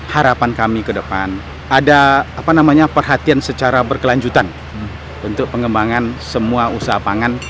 harapan kami ke depan ada perhatian secara berkelanjutan untuk pengembangan semua usaha pangan